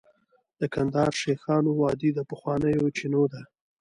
د کندهار شیخانو وادي د پخوانیو چینو ده